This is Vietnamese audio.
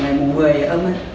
ngày mùng một mươi ấm ấy